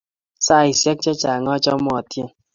Saisyek chechang' achame atyeni.